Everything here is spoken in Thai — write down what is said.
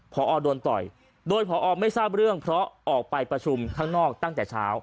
พอโดนต่อยโดยพอไม่ทราบเรื่องเพราะออกไปประชุมข้างนอกตั้งแต่เช้า